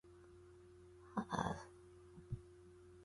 足夠供應一個月